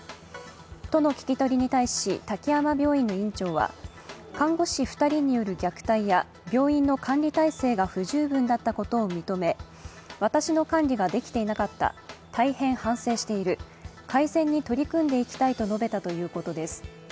都の聞き取りに対し、滝山病院の院長は看護師２人による虐待や病院の管理体制が不十分だったことを認め私の管理ができていなかった、大変反省している、改善に取り組んでいきたいと述べたということです。